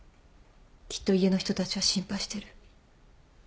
きっと家の人たちは心配してる。